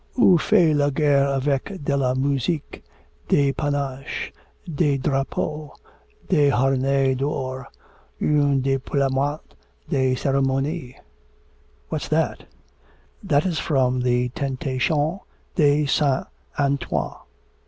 'Ou fait la guerre avec de la musique, des panaches, des drapeaux, des harnais d'or, un deploiement de ceremonie.' 'What's that?' 'That is from the Tentation de Saint Antoine.